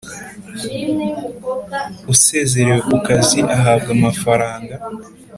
Usezerewe ku kazi ahabwa amafaranga